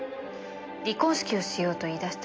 離婚式をしようと言い出したのは。